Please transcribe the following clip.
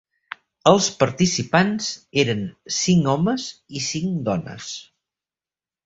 Els participants eren cinc homes i cinc dones.